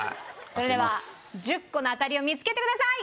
それでは１０個のあたりを見つけてください！